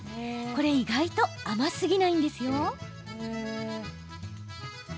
意外と甘すぎないんですよ。